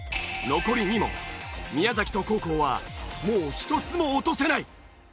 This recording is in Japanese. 残り２問宮崎と黄皓はもう１つも落とせない！